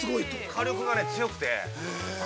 ◆火力が強くて。